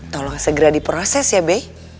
tolong segera diproses ya be